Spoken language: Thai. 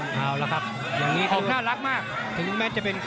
น็าร์แหละครับตีนอยึงหน้าสะแล้วมาก